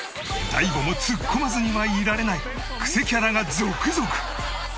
大悟もツッコまずにはいられないクセキャラが続々！